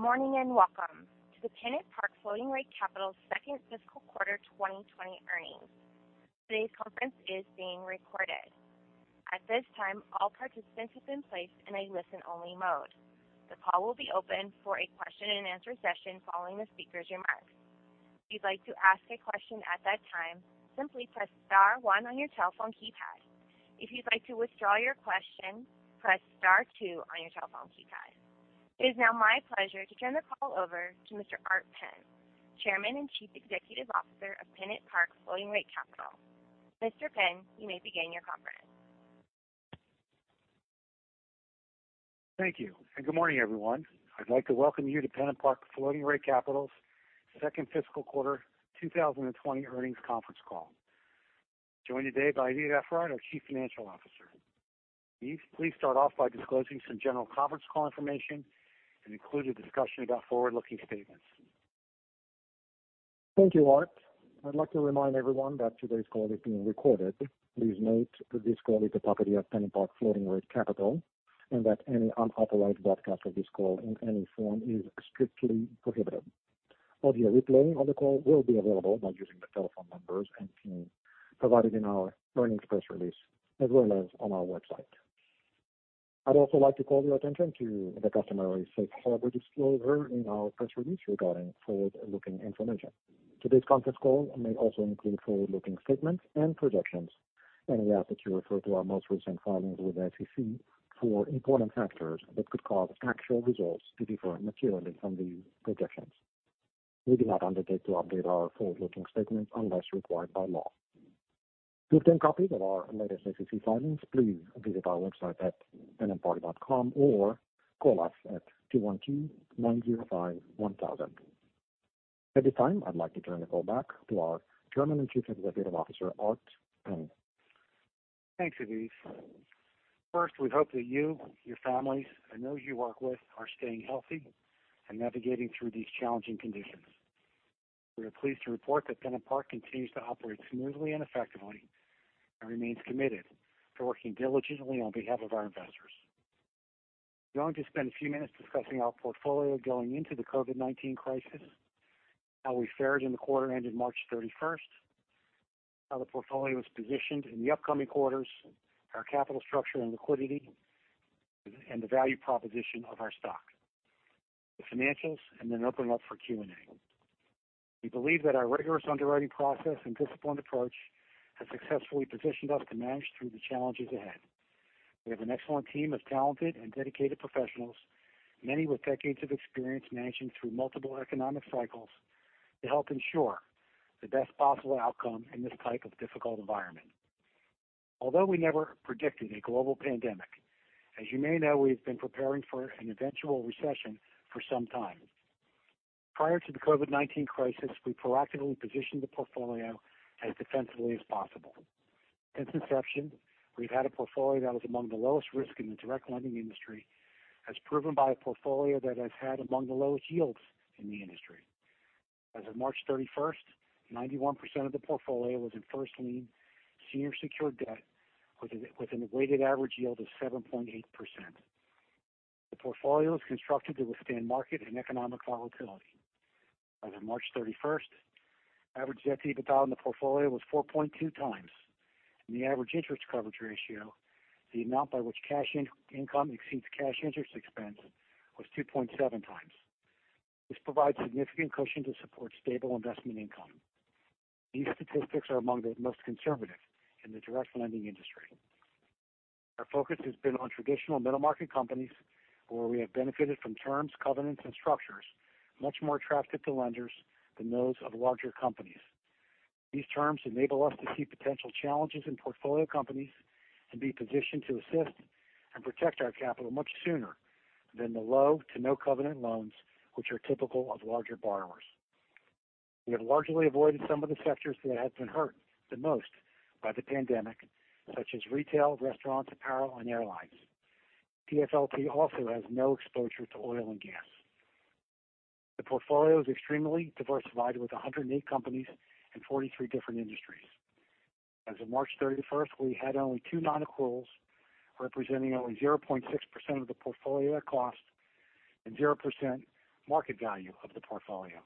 Good morning, and welcome to the PennantPark Floating Rate Capital Q2 Fiscal Year 2020 Earnings. Today's conference is being recorded. At this time, all participants have been placed in a listen-only mode. The call will be open for a question-and-answer session following the speaker's remarks. If you'd like to ask a question at that time, simply press *1 on your telephone keypad. If you'd like to withdraw your question, press *2 on your telephone keypad. It is now my pleasure to turn the call over to Mr. Art Penn, Chairman and Chief Executive Officer of PennantPark Floating Rate Capital. Mr. Penn, you may begin your conference. Thank you, and good morning, everyone. I'd like to welcome you to PennantPark Floating Rate Capital's Q2 Fiscal Year 2020 Earnings Conference Call. I'm joined today by Aviv Efrat, our Chief Financial Officer. Aviv, please start off by disclosing some general conference call information and include a discussion about forward-looking statements. Thank you, Art. I'd like to remind everyone that today's call is being recorded. Please note that this call is a property of PennantPark Floating Rate Capital, and that any unauthorized broadcast of this call in any form is strictly prohibited. Audio replay of the call will be available by using the telephone numbers and PIN provided in our earnings press release, as well as on our website. I'd also like to call your attention to the customary safe harbor disclosure in our press release regarding forward-looking information. Today's conference call may also include forward-looking statements and projections, and we ask that you refer to our most recent filings with the SEC for important factors that could cause actual results to differ materially from these projections. We do not undertake to update our forward-looking statements unless required by law. To obtain copies of our latest SEC filings, please visit our website at pennantpark.com or call us at 212-905-1000. At this time, I'd like to turn the call back to our Chairman and Chief Executive Officer, Art Penn. Thanks, Aviv. First, we hope that you, your families, and those you work with are staying healthy and navigating through these challenging conditions. We are pleased to report that PennantPark continues to operate smoothly and effectively and remains committed to working diligently on behalf of our investors. We're going to spend a few minutes discussing our portfolio going into the COVID-19 crisis, how we fared in the quarter ending March 31st, how the portfolio is positioned in the upcoming quarters, our capital structure, and liquidity, and the value proposition of our stock, the financials, and then open up for Q&A. We believe that our rigorous underwriting process and disciplined approach has successfully positioned us to manage through the challenges ahead. We have an excellent team of talented and dedicated professionals, many with decades of experience managing through multiple economic cycles to help ensure the best possible outcome in this type of difficult environment. Although we never predicted a global pandemic, as you may know, we've been preparing for an eventual recession for some time. Prior to the COVID-19 crisis, we proactively positioned the portfolio as defensively as possible. Since inception, we've had a portfolio that was among the lowest risk in the direct lending industry, as proven by a portfolio that has had among the lowest yields in the industry. As of March 31st, 91% of the portfolio was in first-lien senior secured debt with an weighted average yield of 7.8%. The portfolio is constructed to withstand market and economic volatility. As of March 31st, average debt to EBITDA in the portfolio was 4.2x, and the average interest coverage ratio, the amount by which cash income exceeds cash interest expense, was 2.7x. This provides significant cushion to support stable investment income. These statistics are among the most conservative in the direct lending industry. Our focus has been on traditional middle-market companies where we have benefited from terms, covenants, and structures much more attractive to lenders than those of larger companies. These terms enable us to see potential challenges in portfolio companies and be positioned to assist and protect our capital much sooner than the low to no covenant loans, which are typical of larger borrowers. We have largely avoided some of the sectors that have been hurt the most by the pandemic, such as retail, restaurants, apparel, and airlines. PFLT also has no exposure to oil and gas. The portfolio is extremely diversified with 108 companies and 43 different industries. As of March 31st, we had only two non-accruals, representing only 0.6% of the portfolio at cost and 0% market value of the portfolio.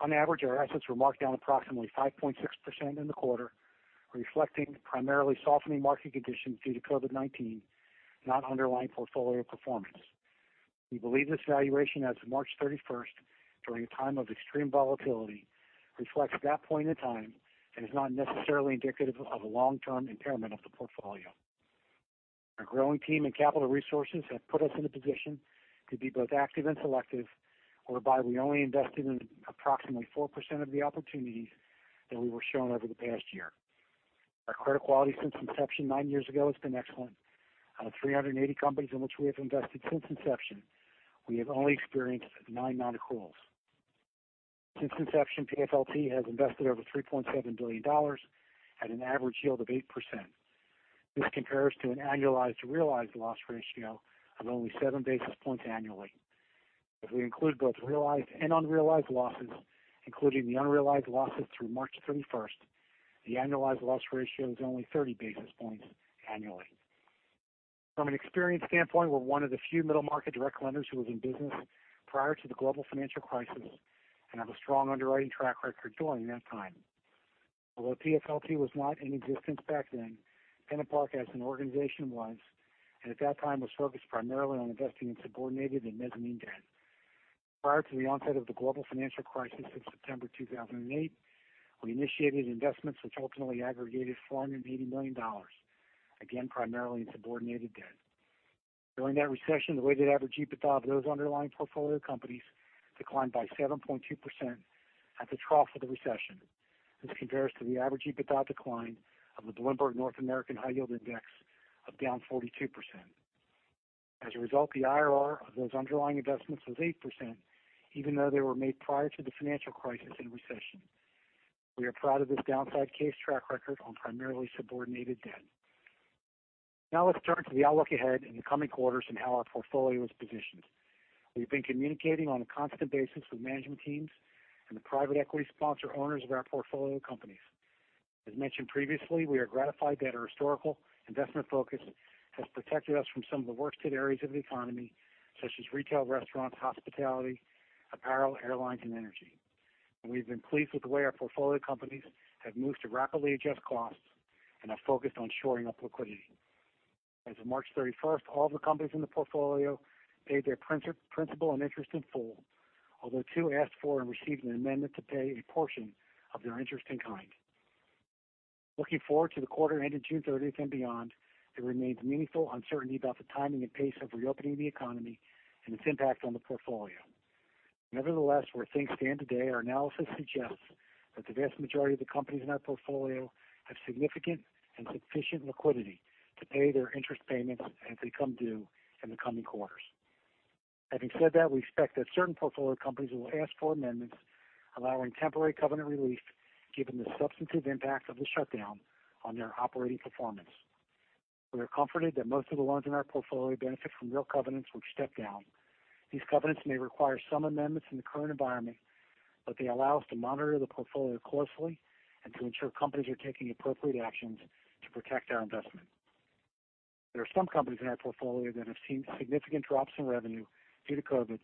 On average, our assets were marked down approximately 5.6% in the quarter, reflecting primarily softening market conditions due to COVID-19, not underlying portfolio performance. We believe this valuation as of March 31st, during a time of extreme volatility, reflects that point in time and is not necessarily indicative of a long-term impairment of the portfolio. Our growing team and capital resources have put us in a position to be both active and selective, whereby we only invested in approximately 4% of the opportunities that we were shown over the past year. Our credit quality since inception nine years ago has been excellent. Out of 380 companies in which we have invested since inception, we have only experienced nine non-accruals. Since inception, PFLT has invested over $3.7 billion at an average yield of 8%. This compares to an annualized realized loss ratio of only seven basis points annually. If we include both realized and unrealized losses, including the unrealized losses through March 31st. The annualized loss ratio is only 30 basis points annually. From an experience standpoint, we're one of the few middle-market direct lenders who was in business prior to the global financial crisis and have a strong underwriting track record during that time. Although PFLT was not in existence back then, PennantPark as an organization was, and at that time was focused primarily on investing in subordinated and mezzanine debt. Prior to the onset of the global financial crisis in September 2008, we initiated investments which ultimately aggregated $480 million, again, primarily in subordinated debt. During that recession, the weighted average EBITDA of those underlying portfolio companies declined by 7.2% at the trough of the recession. This compares to the average EBITDA decline of the Bloomberg North American High Yield Index of down 42%. The IRR of those underlying investments was 8%, even though they were made prior to the financial crisis and recession. We are proud of this downside case track record on primarily subordinated debt. Let's turn to the outlook ahead in the coming quarters and how our portfolio is positioned. We've been communicating on a constant basis with management teams and the private equity sponsor owners of our portfolio companies. As mentioned previously, we are gratified that our historical investment focus has protected us from some of the worst hit areas of the economy, such as retail, restaurants, hospitality, apparel, airlines, and energy. We've been pleased with the way our portfolio companies have moved to rapidly adjust costs and have focused on shoring up liquidity. As of March 31st, all the companies in the portfolio paid their principal and interest in full. Although two asked for and received an amendment to pay a portion of their interest in kind. Looking forward to the quarter ending June 30th and beyond, there remains meaningful uncertainty about the timing and pace of reopening the economy and its impact on the portfolio. Nevertheless, where things stand today, our analysis suggests that the vast majority of the companies in our portfolio have significant and sufficient liquidity to pay their interest payments as they come due in the coming quarters. Having said that, we expect that certain portfolio companies will ask for amendments allowing temporary covenant relief given the substantive impact of the shutdown on their operating performance. We are comforted that most of the loans in our portfolio benefit from real covenants which step down. These covenants may require some amendments in the current environment, but they allow us to monitor the portfolio closely and to ensure companies are taking appropriate actions to protect our investment. There are some companies in our portfolio that have seen significant drops in revenue due to COVID-19,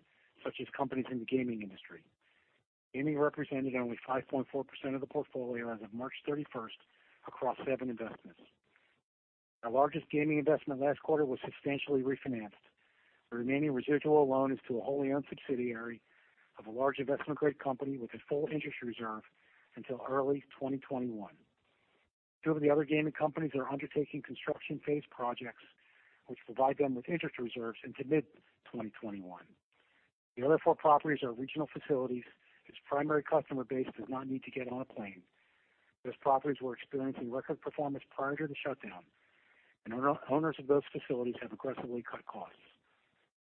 such as companies in the gaming industry. Gaming represented only 5.4% of the portfolio as of March 31st across seven investments. Our largest gaming investment last quarter was substantially refinanced. The remaining residual loan is to a wholly owned subsidiary of a large investment-grade company with a full interest reserve until early 2021. Two of the other gaming companies are undertaking construction phase projects which provide them with interest reserves into mid-2021. The other four properties are regional facilities whose primary customer base does not need to get on a plane. Those properties were experiencing record performance prior to the shutdown, and owners of those facilities have aggressively cut costs.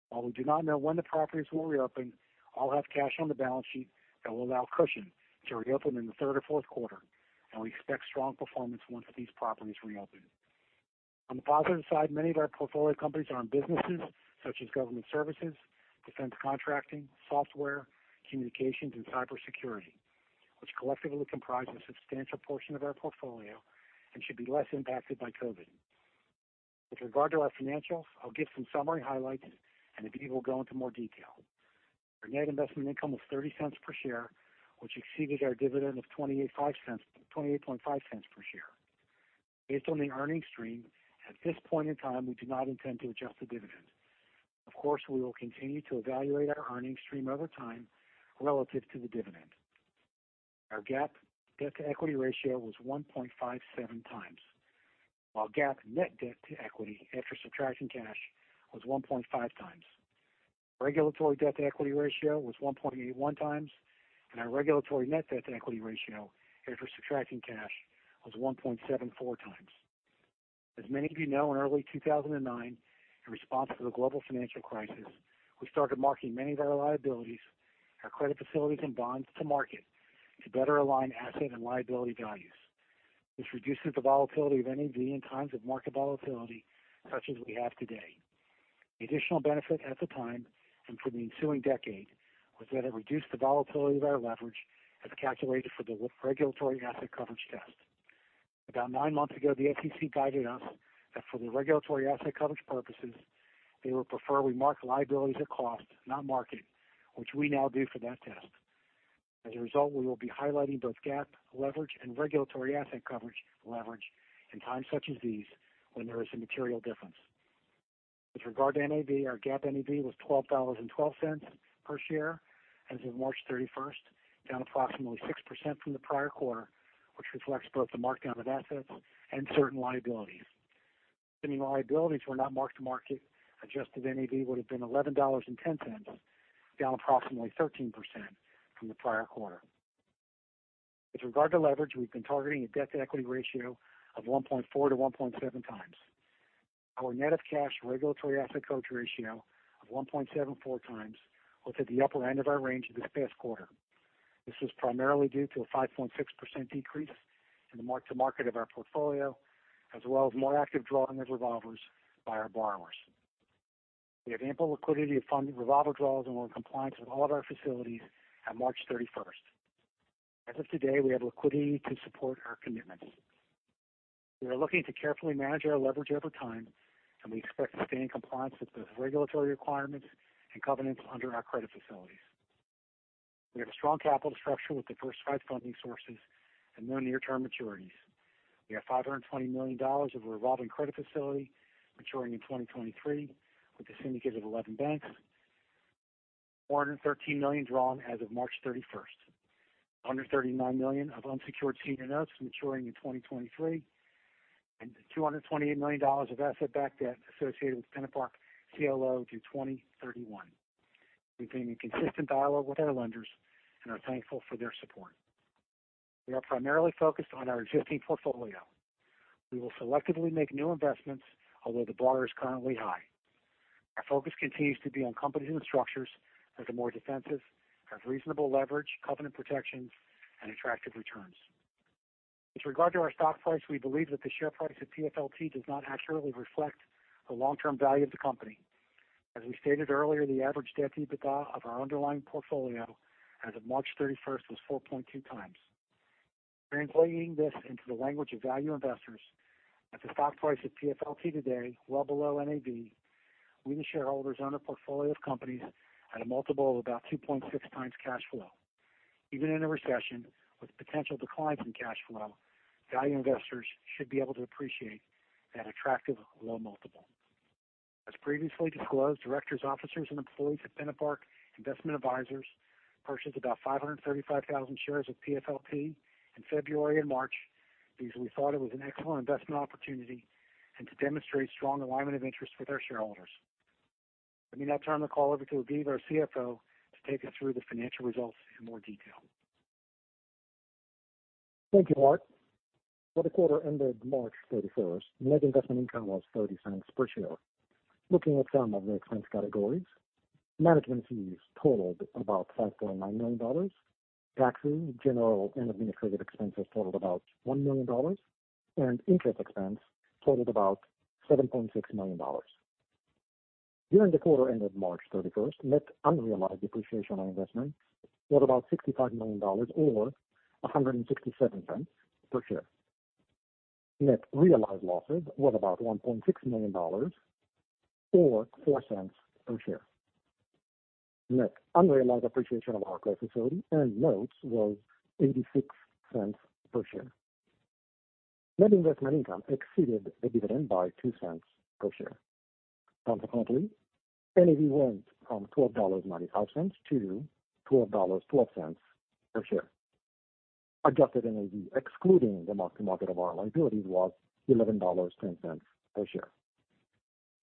While we do not know when the properties will reopen, all have cash on the balance sheet that will allow cushion to reopen in the Q3 or Q4, and we expect strong performance once these properties reopen. On the positive side, many of our portfolio companies are in businesses such as government services, defense contracting, software, communications, and cybersecurity, which collectively comprise a substantial portion of our portfolio and should be less impacted by COVID. With regard to our financials, I'll give some summary highlights, and if you need, we'll go into more detail. Our net investment income was $0.30 per share, which exceeded our dividend of $0.285 per share. Based on the earnings stream, at this point in time, we do not intend to adjust the dividend. Of course, we will continue to evaluate our earnings stream over time relative to the dividend. Our GAAP debt-to-equity ratio was 1.57x. While GAAP net debt to equity after subtracting cash was 1.5x. Regulatory debt-to-equity ratio was 1.81x, and our regulatory net debt to equity ratio after subtracting cash was 1.74x. As many of you know, in early 2009, in response to the global financial crisis, we started marking many of our liabilities, our credit facilities, and bonds to market to better align asset and liability values. This reduces the volatility of NAV in times of market volatility such as we have today. The additional benefit at the time and for the ensuing decade was that it reduced the volatility of our leverage as calculated for the regulatory asset coverage test. About nine months ago, the SEC guided us that for the regulatory asset coverage purposes, they would prefer we mark liabilities at cost, not market, which we now do for that test. As a result, we will be highlighting both GAAP leverage and regulatory asset coverage leverage in times such as these when there is a material difference. With regard to NAV, our GAAP NAV was $12.12 per share as of March 31, down approximately 6% from the prior quarter, which reflects both the markdown of assets and certain liabilities. Assuming liabilities were not marked to market, adjusted NAV would have been $11.10, down approximately 13% from the prior quarter. With regard to leverage, we've been targeting a debt-to-equity ratio of 1.4x-1.7x. Our net of cash regulatory asset coverage ratio of 1.74x was at the upper end of our range this past quarter. This was primarily due to a 5.6% decrease in the mark-to-market of our portfolio, as well as more active drawing of revolvers by our borrowers. We have ample liquidity to fund revolver draws and we're in compliance with all of our facilities at March 31. As of today, we have liquidity to support our commitments. We are looking to carefully manage our leverage over time, and we expect to stay in compliance with both regulatory requirements and covenants under our credit facilities. We have a strong capital structure with diversified funding sources and no near-term maturities. We have $520 million of a revolving credit facility maturing in 2023 with a syndicate of 11 banks, $413 million drawn as of March 31st. $139 million of unsecured senior notes maturing in 2023, and $228 million of asset-backed debt associated with PennantPark CLO through 2031. We've been in consistent dialogue with our lenders and are thankful for their support. We are primarily focused on our existing portfolio. We will selectively make new investments, although the bar is currently high. Our focus continues to be on companies and structures that are more defensive, have reasonable leverage, covenant protections, and attractive returns. With regard to our stock price, we believe that the share price of PFLT does not accurately reflect the long-term value of the company. As we stated earlier, the average debt to EBITDA of our underlying portfolio as of March 31st was 4.2x. Translating this into the language of value investors, at the stock price of PFLT today, well below NAV, we the shareholders own a portfolio of companies at a multiple of about 2.6x cash flow. Even in a recession with potential declines in cash flow, value investors should be able to appreciate that attractive low multiple. As previously disclosed, directors, officers and employees at PennantPark Investment Advisers purchased about 535,000 shares of PFLT in February and March because we thought it was an excellent investment opportunity and to demonstrate strong alignment of interest for their shareholders. Let me now turn the call over to Aviv, our CFO, to take us through the financial results in more detail. Thank you, Art. For the quarter ended March 31st, net investment income was $0.30 per share. Looking at some of the expense categories, management fees totaled about $5.9 million. Taxes, general and administrative expenses totaled about $1 million, and interest expense totaled about $7.6 million. During the quarter ended March 31st, net unrealized depreciation on investments were about $65 million or $1.67 per share. Net realized losses were about $1.6 million or $0.04 per share. Net unrealized appreciation of our credit facility and notes was $0.86 per share. Net investment income exceeded the dividend by $0.02 per share. Consequently, NAV went from $12.95 to $12.12 per share. Adjusted NAV excluding the mark-to-market of our liabilities was $11.10 per share.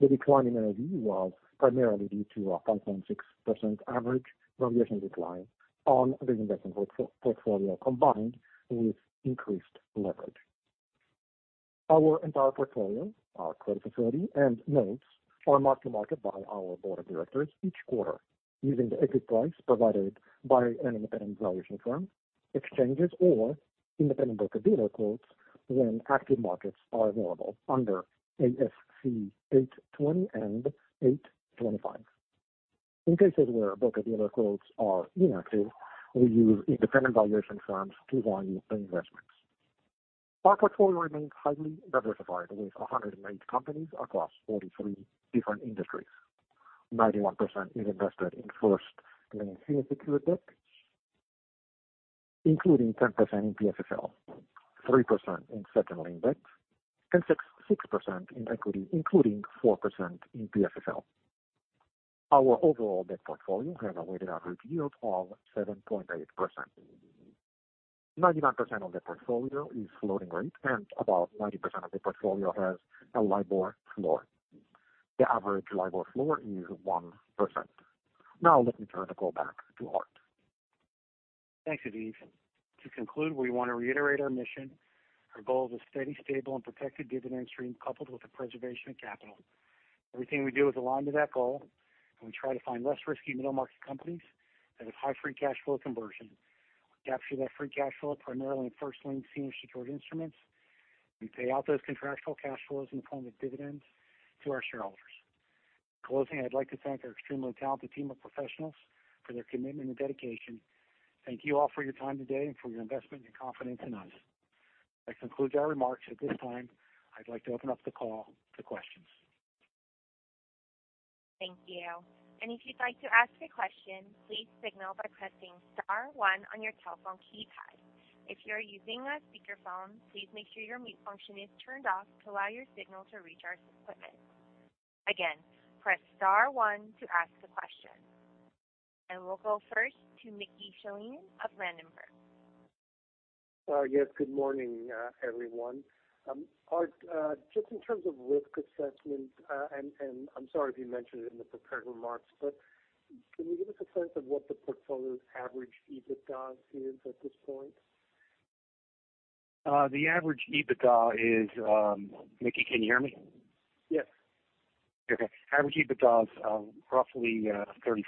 The decline in NAV was primarily due to a 5.6% average valuation decline on the investment portfolio, combined with increased leverage. Our entire portfolio, our credit facility and notes are marked-to-market by our board of directors each quarter using the exit price provided by an independent valuation firm, exchanges or independent broker-dealer quotes when active markets are available under ASC 820 and 825. In cases where broker-dealer quotes are inactive, we use independent valuation firms to value the investments. Our portfolio remains highly diversified, with 108 companies across 43 different industries. 91% is invested in first-lien senior secured debt, including 10% in PFLT, 3% in second lien debt and 6% in equity, including 4% in PFLT. Our overall debt portfolio has a weighted average yield of 7.8%. 99% of the portfolio is floating rate, and about 90% of the portfolio has a LIBOR floor. The average LIBOR floor is 1%. Now let me turn the call back to Art. Thanks, Aviv. To conclude, we want to reiterate our mission. Our goal is a steady, stable and protected dividend stream coupled with the preservation of capital. Everything we do is aligned to that goal, and we try to find less risky middle market companies that have high free cash flow conversion. We capture that free cash flow primarily in first-lien senior secured instruments. We pay out those contractual cash flows in the form of dividends to our shareholders. In closing, I'd like to thank our extremely talented team of professionals for their commitment and dedication. Thank you all for your time today and for your investment and confidence in us. That concludes our remarks. At this time, I'd like to open up the call to questions. Thank you. If you'd like to ask a question, please signal by pressing *1 on your telephone keypad. If you are using a speakerphone, please make sure your mute function is turned off to allow your signal to reach our equipment. Again, press *1 to ask a question. We'll go first to Mickey Schleien of Ladenburg Thalmann. Yes. Good morning, everyone. Art, just in terms of risk assessment, and I'm sorry if you mentioned it in the prepared remarks, but can you give us a sense of what the portfolio's average EBITDA is at this point? Mickey, can you hear me? Yes. Okay. Average EBITDA is roughly $35 million-$40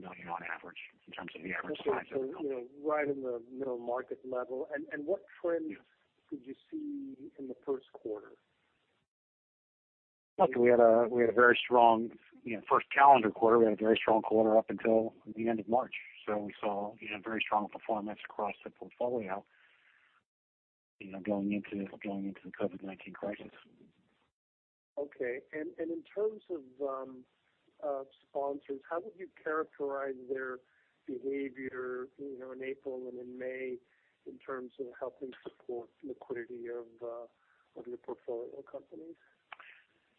million on average in terms of the average size of the company. Okay. Right in the middle market level. Could you see in the Q1? We had a very strong calendar Q1. We had a very strong quarter up until the end of March. We saw very strong performance across the portfolio going into the COVID-19 crisis. Okay. In terms of sponsors, how would you characterize their behavior in April and in May in terms of helping support liquidity of your portfolio companies?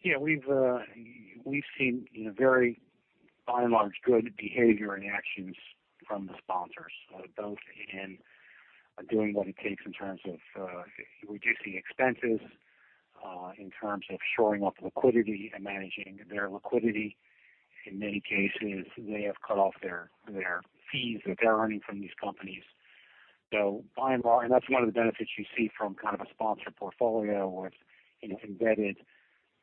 Yeah. We've seen very, by and large, good behavior and actions from the sponsors. Both in doing what it takes in terms of reducing expenses, in terms of shoring up liquidity and managing their liquidity. In many cases, they have cut off their fees that they're earning from these companies. That's one of the benefits you see from a sponsored portfolio with an embedded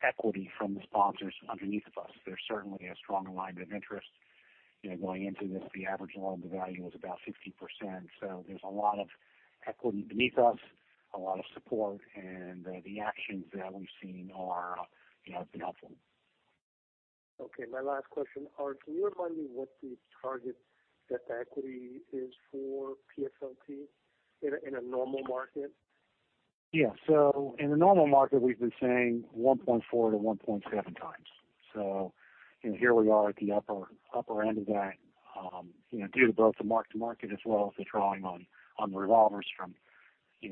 equity from the sponsors underneath of us. There's certainly a strong alignment of interest. Going into this, the average loan-to-value was about 60%. There's a lot of equity beneath us, a lot of support, and the actions that we've seen have been helpful. Okay. My last question, Art. Can you remind me what the target debt-to-equity is for PFLT in a normal market? Yeah. In a normal market, we've been saying 1.4x to 1.7x. Here we are at the upper end of that due to both the mark-to-market as well as the drawing on the revolvers from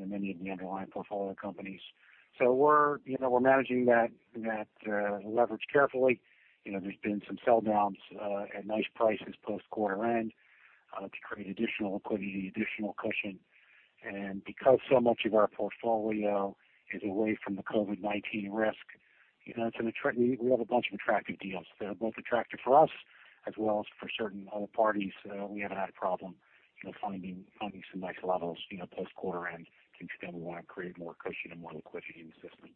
many of the underlying portfolio companies. We're managing that leverage carefully. There's been some sell-downs at nice prices post quarter end to create additional liquidity, additional cushion. Because so much of our portfolio is away from the COVID-19 risk, we have a bunch of attractive deals. They're both attractive for us as well as for certain other parties. We haven't had a problem finding some nice levels post quarter end to extend the runway and create more cushion and more liquidity in the system.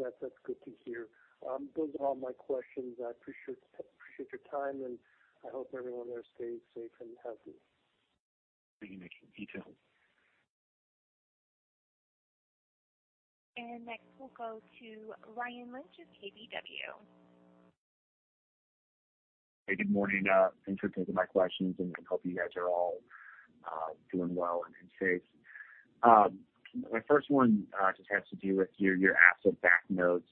That's good to hear. Those are all my questions. I appreciate your time, and I hope everyone there stays safe and healthy. Thank you. Next we'll go to Ryan Lynch of KBW. Hey, good morning. Thanks for taking my questions, and I hope you guys are all doing well and safe. My first one just has to do with your asset-backed notes.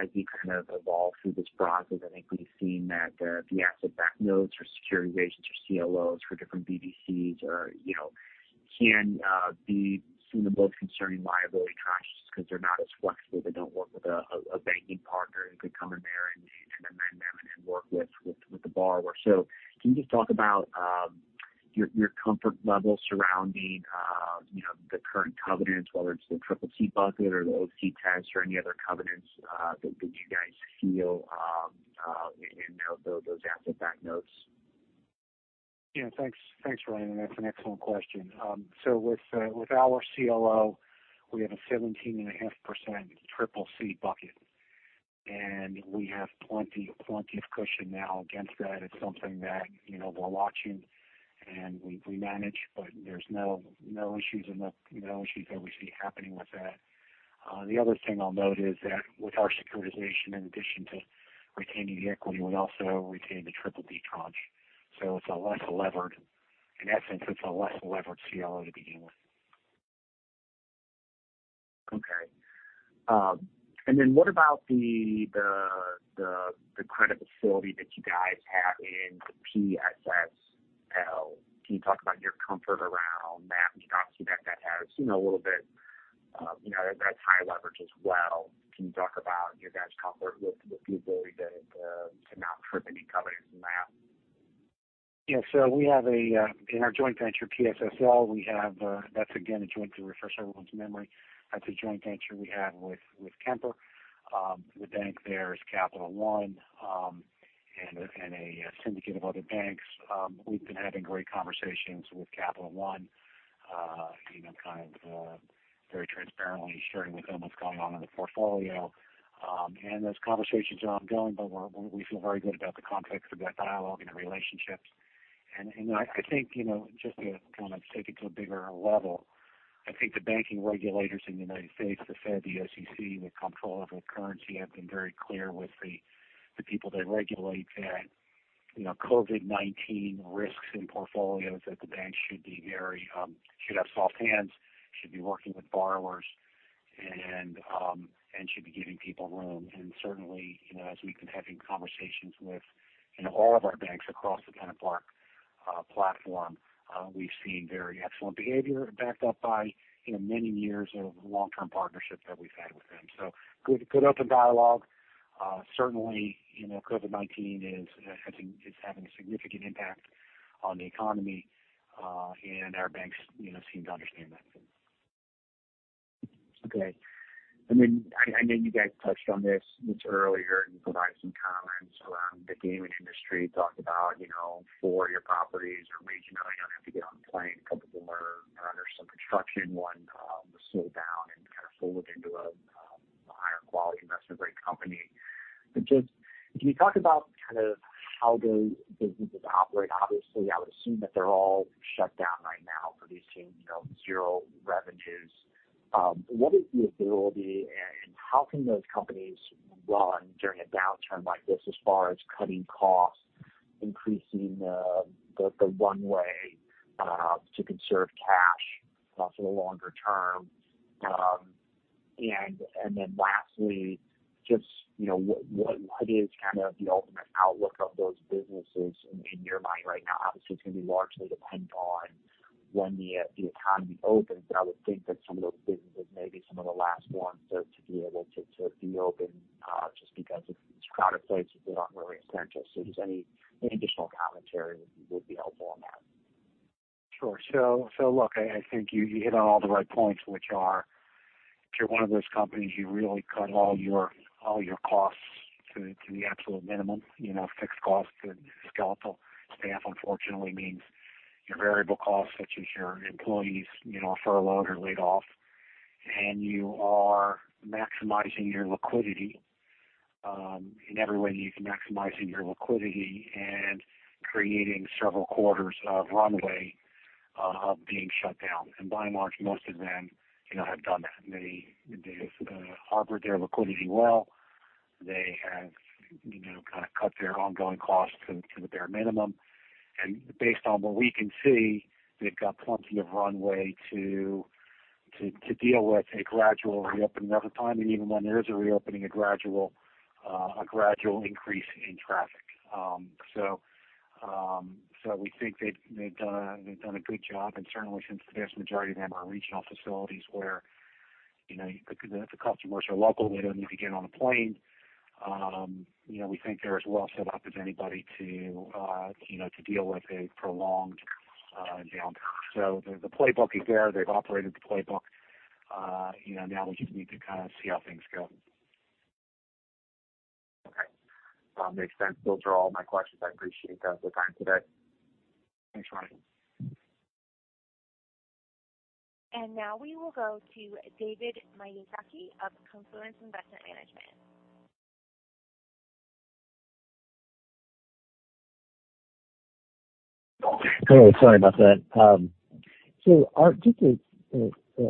As we kind of evolve through this process, I think we've seen that the asset-backed notes or securitizations or CLOs for different BDCs can be seen as both concerning liability structures because they're not as flexible. They don't work with a banking partner who could come in there and amend them and work with the borrower. Can you just talk about your comfort level surrounding the current covenants, whether it's the CCC bucket or the OC Test or any other covenants that you guys feel in those asset-backed notes? Yeah. Thanks, Ryan. That's an excellent question. With our CLO, we have a 17.5% CCC bucket. We have plenty of cushion now against that. It's something that we're watching and we manage, but there's no issues that we see happening with that. The other thing I'll note is that with our securitization, in addition to retaining the equity, we also retain the triple B tranche. In essence, it's a less levered CLO to begin with. Okay. What about the credit facility that you guys have in PFLT? Can you talk about your comfort around that? Obviously, that's high leverage as well. Can you talk about your guys' comfort with the ability to not trip any covenants in that? In our joint venture, PFLT. Just to refresh everyone's memory. That's a joint venture we have with Kemper. The bank there is Capital One, and a syndicate of other banks. We've been having great conversations with Capital One, kind of very transparently sharing with them what's going on in the portfolio. Those conversations are ongoing. We feel very good about the context of that dialogue and the relationships. I think, just to kind of take it to a bigger level. I think the banking regulators in the U.S., the Fed, the SEC, the Comptroller of the Currency, have been very clear with the people they regulate that COVID-19 risks in portfolios, that the banks should have soft hands, should be working with borrowers, and should be giving people room. Certainly, as we've been having conversations with all of our banks across the PennantPark platform. We've seen very excellent behavior backed up by many years of long-term partnerships that we've had with them. Good open dialogue. Certainly, COVID-19 is having a significant impact on the economy. Our banks seem to understand that. Okay. I know you guys touched on this earlier and provided some comments around the gaming industry, talked about four of your properties are regional. You don't have to get on a plane. A couple of them are under some construction. One was slowed down. Just can you talk about how those businesses operate? Obviously, I would assume that they're all shut down right now producing zero revenues. What is the ability and how can those companies run during a downturn like this as far as cutting costs, increasing the runway to conserve cash for the longer term? Lastly, just what is the ultimate outlook of those businesses in your mind right now? It's going to be largely dependent on when the economy opens, I would think that some of those businesses may be some of the last ones to be able to be open, just because it's crowded places. They don't really essential. Just any additional commentary would be helpful on that. Sure. Look, I think you hit on all the right points, which are if you're one of those companies, you really cut all your costs to the absolute minimum. Fixed costs to skeletal staff unfortunately means your variable costs such as your employees furloughed or laid off. You are maximizing your liquidity in every way you can, maximizing your liquidity and creating several quarters of runway of being shut down. By and large, most of them have done that. They have harbored their liquidity well. They have cut their ongoing costs to the bare minimum. Based on what we can see, they've got plenty of runway to deal with a gradual reopening of the economy, and even when there is a reopening, a gradual increase in traffic. We think they've done a good job, certainly since the vast majority of them are regional facilities where the customers are local, they don't need to get on a plane. We think they're as well set up as anybody to deal with a prolonged downturn. The playbook is there. They've operated the playbook. Now we just need to kind of see how things go. Okay. Makes sense. Those are all my questions. I appreciate the time today. Thanks, Ryan. Now we will go to David Miyazaki of Confluence Investment Management. Hey, sorry about that. Just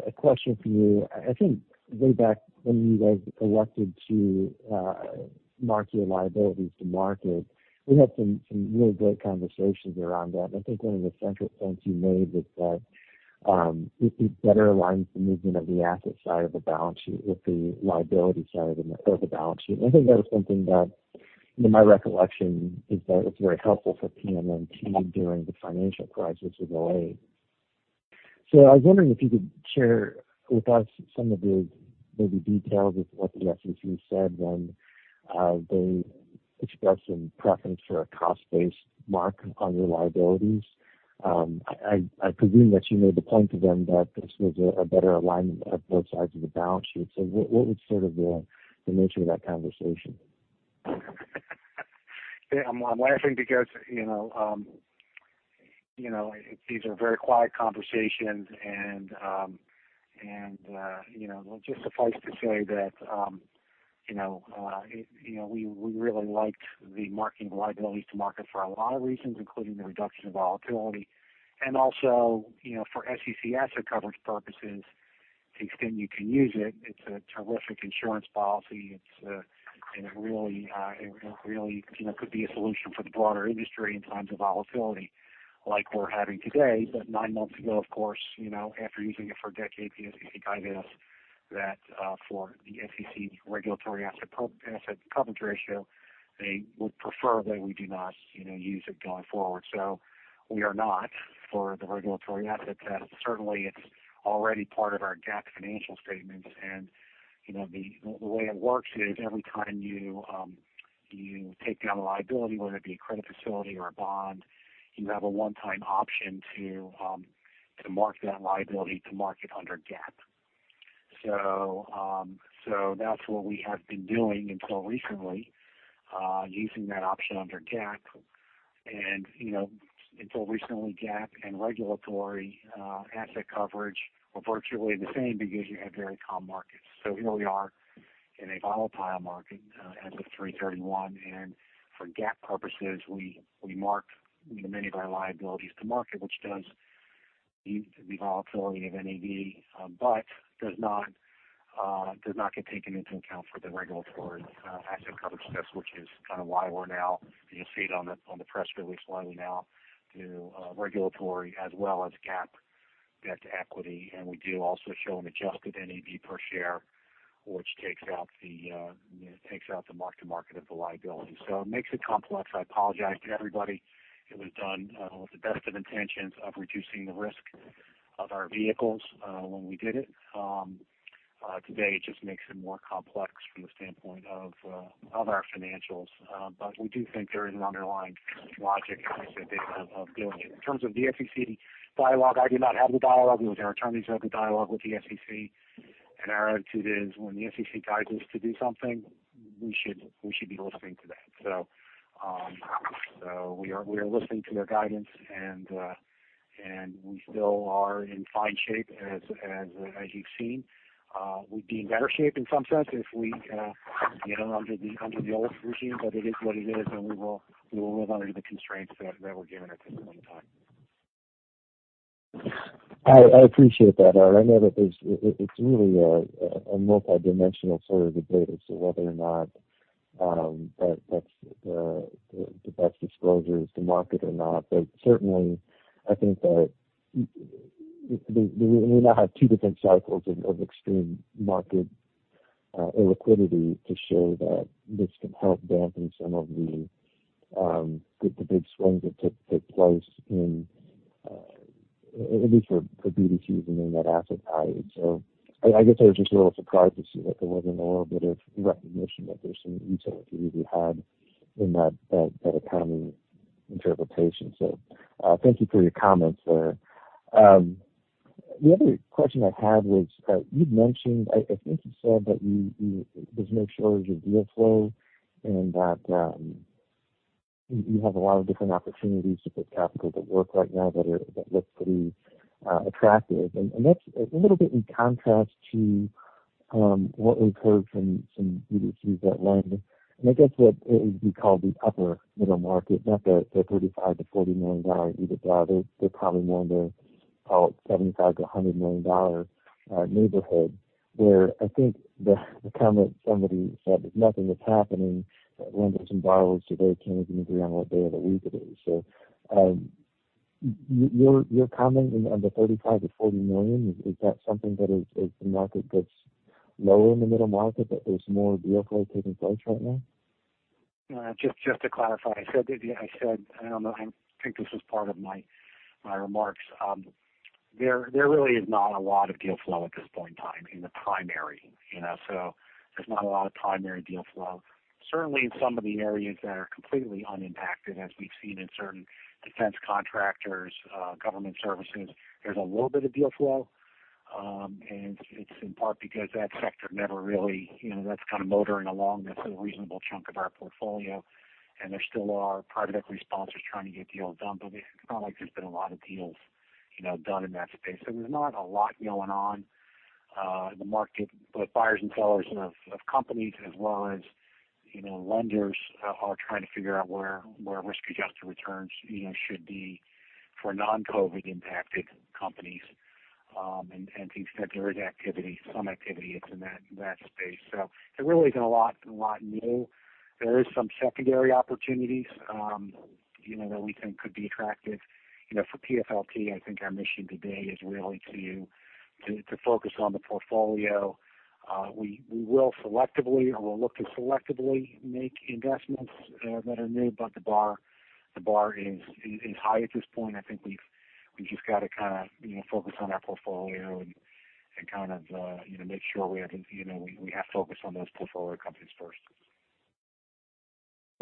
a question for you. I think way back when you guys elected to mark your liabilities to market, we had some really great conversations around that, and I think one of the central points you made was that it better aligns the movement of the asset side of the balance sheet with the liability side of the balance sheet. I think that was something that, in my recollection, is that was very helpful for PNNT during the financial crisis of 2008. I was wondering if you could share with us some of the maybe details of what the SEC said when they expressed some preference for a cost-based mark on your liabilities. I presume that you made the point to them that this was a better alignment of both sides of the balance sheet. What was sort of the nature of that conversation? I'm laughing because these are very quiet conversations and just suffice to say that we really liked the marking liabilities to market for a lot of reasons, including the reduction of volatility and also for SEC asset coverage purposes to the extent you can use it. It's a terrific insurance policy. It really could be a solution for the broader industry in times of volatility like we're having today. Nine months ago, of course, after using it for a decade, the SEC guided us that for the SEC regulatory asset coverage ratio, they would prefer that we do not use it going forward. We are not for the regulatory asset test. Certainly, it's already part of our GAAP financial statements. The way it works is every time you take down a liability, whether it be a credit facility or a bond, you have a one-time option to mark that liability to market under GAAP. That's what we have been doing until recently, using that option under GAAP. Until recently, GAAP and regulatory asset coverage were virtually the same because you had very calm markets. Here we are in a volatile market as of March 31st. For GAAP purposes, we marked many of our liabilities to market, which does lead to the volatility of NAV but does not get taken into account for the regulatory asset coverage test, which is kind of why we're now, you'll see it on the press release, why we now do regulatory as well as GAAP debt to equity. We do also show an adjusted NAV per share, which takes out the mark to market of the liability. It makes it complex. I apologize to everybody. It was done with the best of intentions of reducing the risk of our vehicles when we did it. Today, it just makes it more complex from the standpoint of our financials. We do think there is an underlying logic, I think, David, of doing it. In terms of the SEC dialogue, I do not have the dialogue. It was our attorneys who had the dialogue with the SEC. Our attitude is when the SEC guides us to do something, we should be listening to that. We are listening to their guidance and we still are in fine shape as you've seen. We'd be in better shape in some sense if we get under the old regime. It is what it is, and we will live under the constraints that we're given at this point in time. I appreciate that, Art. I know that it's really a multidimensional sort of debate as to whether or not that's the best disclosure to market or not. Certainly, I think that we now have two different cycles of extreme market illiquidity to show that this can help dampen some of the big swings that took place in, at least for BDCs and in that asset class. I guess I was just a little surprised to see that there wasn't a little bit of recognition that there's some utility we had in that accounting interpretation. Thank you for your comments there. The other question I had was, you'd mentioned, I think you said that there's no shortage of deal flow and that you have a lot of different opportunities to put capital to work right now that look pretty attractive. That's a little bit in contrast to what we've heard from BDCs that lend. I guess what would be called the upper middle market, not the $35 million to $40 million EBITDA. They probably more in the call it $75 million to $100 million neighborhood where I think the comment somebody said, "Nothing is happening. Lenders and borrowers today can't even agree on what day of the week it is." Your comment on the $35 million to $40 million, is that something that as the market gets lower in the middle market, that there's more deal flow taking place right now? Just to clarify, I said, I don't know, I think this was part of my remarks. There really is not a lot of deal flow at this point in time in the primary. There's not a lot of primary deal flow. Certainly in some of the areas that are completely unimpacted as we've seen in certain defense contractors, government services, there's a little bit of deal flow. It's in part because that sector never really, that's kind of motoring along. That's a reasonable chunk of our portfolio, and there still are private equity sponsors trying to get deals done. It's not like there's been a lot of deals done in that space. There's not a lot going on in the market. Both buyers and sellers of companies as well as lenders are trying to figure out where risk-adjusted returns should be for non-COVID impacted companies. To the extent there is activity, some activity, it's in that space. There really isn't a lot new. There is some secondary opportunities that we think could be attractive. For PFLT, I think our mission today is really to focus on the portfolio. We will selectively or we'll look to selectively make investments that are new. The bar is high at this point. I think we've just got to kind of focus on our portfolio and kind of make sure we have focus on those portfolio companies first.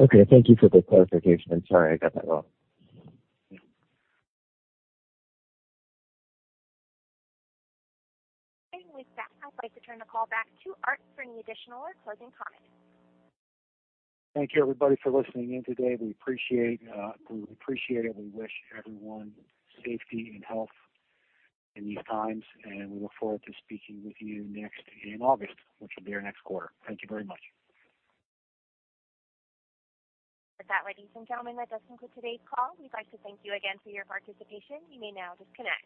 Okay. Thank you for the clarification. I'm sorry I got that wrong. Yeah. With that, I'd like to turn the call back to Art for any additional or closing comments. Thank you everybody for listening in today. We appreciate it. We wish everyone safety and health in these times, and we look forward to speaking with you next in August, which will be our next quarter. Thank you very much. Ladies and gentlemen, that does conclude today's call. We'd like to thank you again for your participation. You may now disconnect.